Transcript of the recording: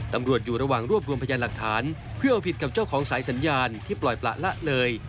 ตำรวจอยู่ระหว่างรวบรวมพยานหลักฐานเพื่อเอาผิดกับเจ้าของสายสัญญาณที่ปล่อยประละเลย